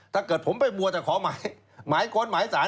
ถ้าเกิดผมไปมัวแต่ขอหมายค้นหมายสาร